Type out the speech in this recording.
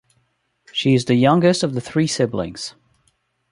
She is the youngest of the three siblings.